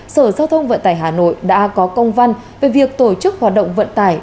sở giao thông vận tải hà nội đã có công văn về việc tổ chức hoạt động vận tải